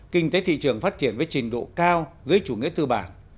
kinh tế thị trường phát triển với trình độ cao dưới chủ nghĩa tư bản